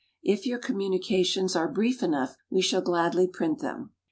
If your communications are brief enough, we shall gladly print them.